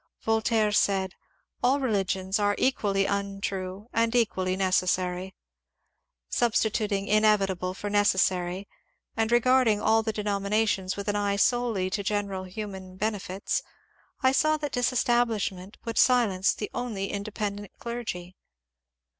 Voltaire said, ^' AH religions are equally untrue and equally necessary." Substituting " inevitable " for " necessary," and regarding all the denominations with an eye solely to general human benefits, I saw that disestablishment would silence the only independent clergy.